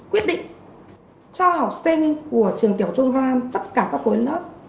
quyết định cho học sinh của trường tiểu trung hoa an tất cả các khối lớp